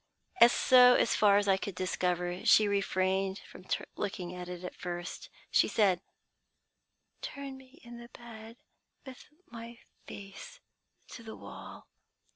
"So far as I could discover, she refrained from looking at it at first. She said, 'Turn me in the bed, with my face to the wall.'